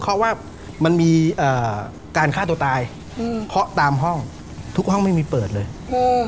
เพราะว่ามันมีเอ่อการฆ่าตัวตายอืมเคาะตามห้องทุกห้องไม่มีเปิดเลยอืม